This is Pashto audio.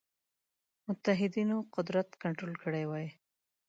متحدینو قدرت کنټرول کړی وای.